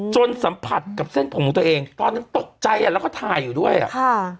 สัมผัสกับเส้นผมของตัวเองตอนนั้นตกใจอ่ะแล้วก็ถ่ายอยู่ด้วยอ่ะค่ะ